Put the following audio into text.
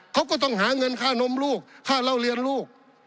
เขาก็ต้องหาเงินค่านมลูกค่าเล่าเรียนลูก